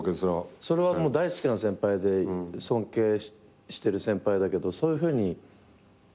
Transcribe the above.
それは大好きな先輩で尊敬してる先輩だけどそういうふうに。